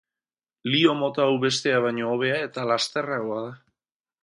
Liho mota hau bestea baino hobea eta lasterragoa da.